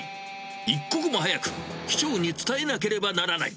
一刻も早く機長に伝えなければならない。